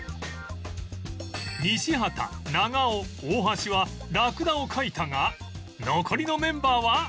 西畑長尾大橋はラクダを描いたが残りのメンバーは？